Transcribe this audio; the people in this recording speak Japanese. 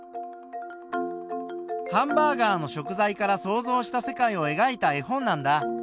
ハンバーガーの食材から想像した世界をえがいた絵本なんだ。